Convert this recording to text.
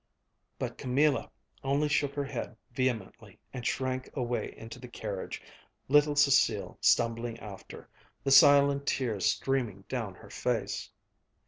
But Camilla only shook her head vehemently and shrank away into the carriage, little Cécile stumbling after, the silent tears streaming down her face.